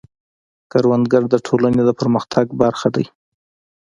کروندګر د ټولنې د پرمختګ برخه دی